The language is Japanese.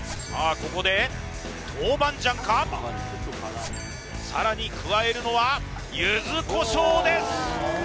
ここで豆板醤かさらに加えるのは柚子胡椒です